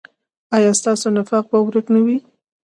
ایا ستاسو نفاق به ورک نه وي؟